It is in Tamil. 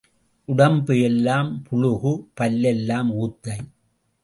உடம்பு எல்லாம் புளுகு பல் எல்லாம் ஊத்தை.